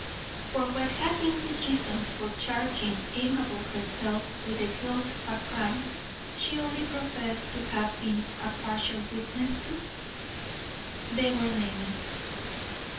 For what had been his reasons for charging Amabel herself with the guilt of a crime she only professed to have been a partial witness to? They were many.